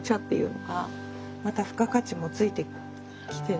また付加価値もついてきてね。